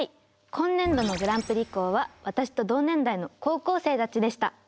今年度のグランプリ校は私と同年代の高校生たちでした。